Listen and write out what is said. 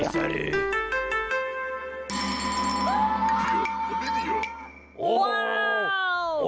ว้าว